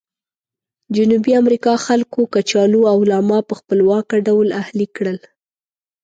جنوبي امریکا خلکو کچالو او لاما په خپلواکه ډول اهلي کړل.